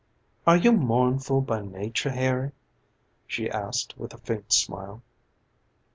"Are you mournful by nature, Harry?" she asked with a faint smile.